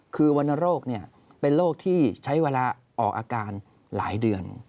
คือวรรณโรคเป็นโรคที่ใช้เวลาออกอาการหลายเดือน